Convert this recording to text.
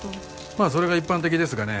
まあそれが一般的ですがね